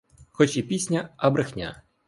Хоч і пісня, а брехня.